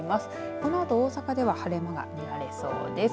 このあと大阪では晴れ間が見られそうです。